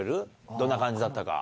どんな感じだったか。